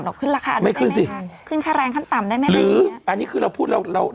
ขึ้นราคาได้ไหมไม่ขึ้นสิขึ้นค่าแรงขั้นต่ำได้ไหมหรืออันนี้คือเราพูดเราเรา